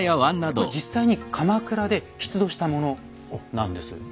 これ実際に鎌倉で出土したものなんです。